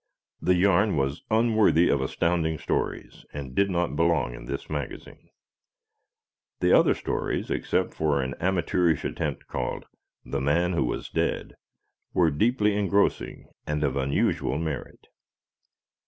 The yarn was unworthy of Astounding Stories and did not belong in this magazine. The other stories, except for an amateurish attempt called "The Man Who Was Dead," were deeply engrossing and of unusual merit.